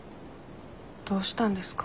どうしたんですか？